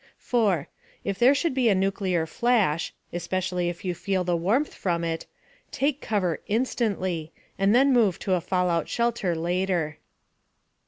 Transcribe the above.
4. If there should be a nuclear flash especially if you feel the warmth from it take cover instantly, and then move to a fallout shelter later.